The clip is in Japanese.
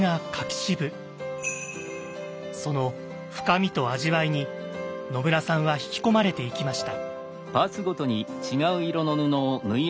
その深みと味わいに野村さんは引き込まれていきました。